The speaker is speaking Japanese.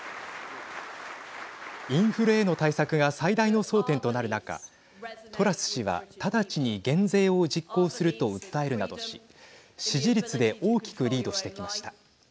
インフレへの対策が最大の争点となる中トラス氏は直ちに減税を実行すると訴えるなどし支持率で大きくリードしてきました。